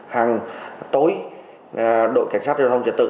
hàng tối đội cảnh sát giao thông trở tự